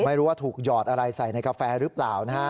ไม่รู้ว่าถูกหยอดอะไรใส่ในกาแฟหรือเปล่านะฮะ